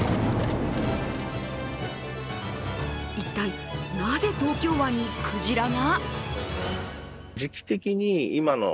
一体、なぜ東京湾にクジラが？